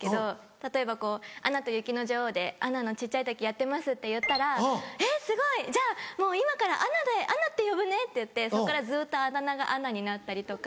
例えば『アナと雪の女王』でアナの小っちゃい時やってますって言ったら「えっすごい！じゃあ今からアナって呼ぶね」って言ってそこからずっとあだ名がアナになったりとか。